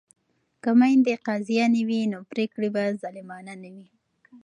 که میندې قاضیانې وي نو پریکړې به ظالمانه نه وي.